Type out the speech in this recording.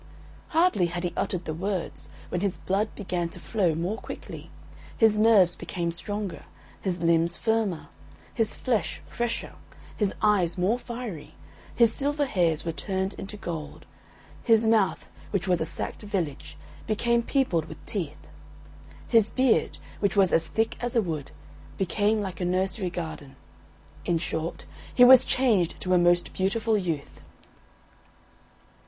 Hardly had he uttered the words when his blood began to flow more quickly, his nerves became stronger, his limbs firmer, his flesh fresher, his eyes more fiery, his silver hairs were turned into gold, his mouth, which was a sacked village, became peopled with teeth; his beard, which was as thick as a wood, became like a nursery garden in short, he was changed to a most beautiful youth.